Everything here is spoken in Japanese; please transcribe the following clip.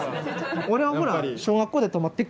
俺はほら小学校で止まってっから。